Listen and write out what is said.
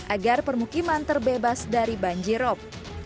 agar permukiman terbebas dari banjirop